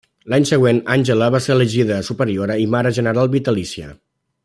L'any següent, Àngela va ser elegida superiora i mare general vitalícia.